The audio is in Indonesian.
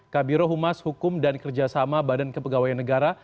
kabiro humas hukum dan kerjasama badan kepegawaian negara